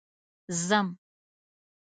ځم